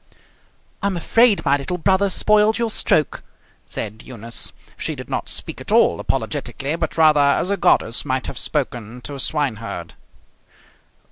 "I'm afraid my little brother spoiled your stroke," said Eunice. She did not speak at all apologetically, but rather as a goddess might have spoken to a swineherd.